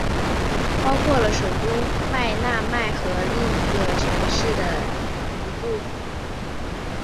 包括了首都麦纳麦和另一个市的一部份。